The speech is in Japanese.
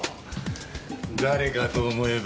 誰かと思えば。